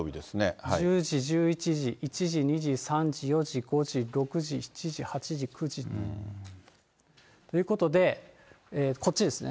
１０時、１１時、１２時、１時、２時、３時、４時、５時、６時、７時、８時、９時ということで、こっちですね。